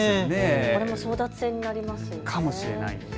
これも争奪戦になりますよね。